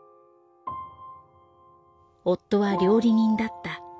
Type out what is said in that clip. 夫は料理人だった。